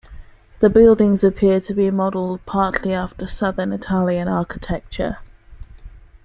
The buildings appear to be modelled partly after southern Italian architecture.